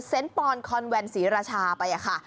เซ็นต์ปอนคอนแวนศรีรชาไปค่ะ